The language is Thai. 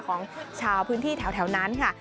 ของชาวพื้นที่แถวนั้นค่ะ